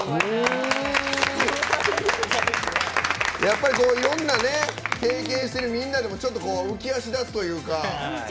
やっぱりいろんな経験してるみんなでもちょっと浮き足立つというか。